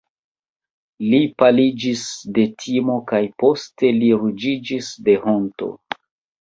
Li paliĝis de timo kaj poste li ruĝiĝis de honto.